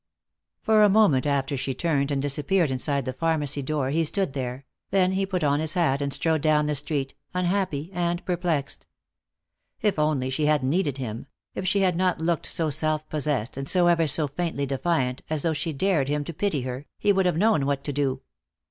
For a moment after she turned and disappeared inside the pharmacy door he stood there, then he put on his hat and strode down the street, unhappy and perplexed. If only she had needed him, if she had not looked so self possessed and so ever so faintly defiant, as though she dared him to pity her, he would have known what to do.